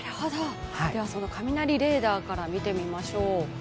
ではその雷レーダーから見てみましょう。